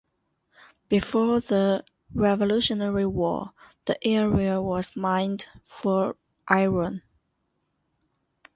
Before the Revolutionary War, the area was mined for iron.